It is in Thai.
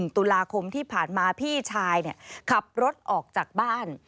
ตุลาคมที่ผ่านมาพี่ชายขับรถออกจากบ้าน